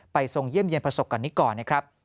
ไปส่งเยี่ยมเยี่ยมประสบกันนี้ก่อน